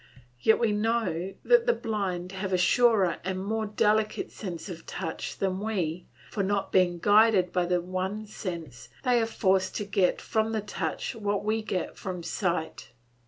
Yet we know that the blind have a surer and more delicate sense of touch than we, for not being guided by the one sense, they are forced to get from the touch what we get from sight.